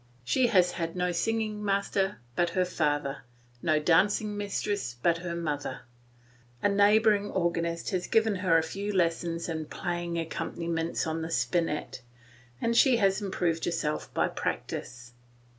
She has had no singing master but her father, no dancing mistress but her mother; a neighbouring organist has given her a few lessons in playing accompaniments on the spinet, and she has improved herself by practice.